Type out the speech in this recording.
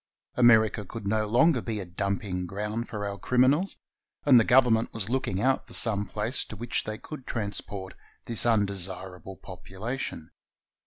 America could no longer be a dumping ground for our criminals, and the Government was looking out for some place to which they could transport this undesirable population.